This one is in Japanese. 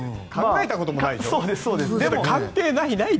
考えたこともないよね。